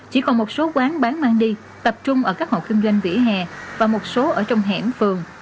chỉ còn một số quán bán mang đi tập trung ở các hộ kinh doanh vỉa hè và một số ở trong hẻm phường